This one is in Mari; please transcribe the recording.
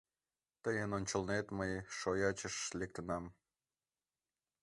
— Тыйын ончылнет мый шоячыш лектынам.